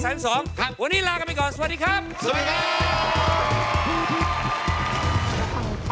ครับวันนี้ลากันไปก่อนสวัสดีครับสวัสดีครับสวัสดีครับ